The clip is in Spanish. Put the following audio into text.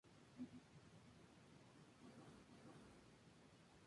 El piloto estaría acompañado por un mecánico a bordo como co-piloto.